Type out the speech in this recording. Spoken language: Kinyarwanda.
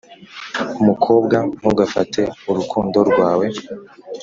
umukobwa ntugafate urukundo rwawe